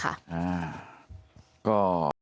เพราะฉะนั้นเนี่ย